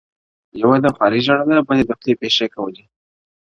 o يوه د خوارۍ ژړله، بل ئې د خولې پېښې کولې!